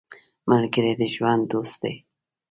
ملګری د ژوند دوست دی